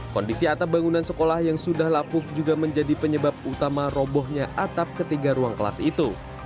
kondisi atap bangunan sekolah yang sudah lapuk juga menjadi penyebab utama robohnya atap ketiga ruang kelas itu